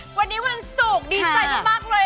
โอ๊ยวันนี้วันสุกดีใสมากเลย